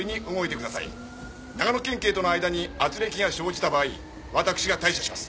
長野県警との間に軋轢が生じた場合私が対処します。